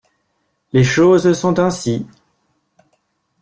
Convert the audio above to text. Les choses sont ainsi.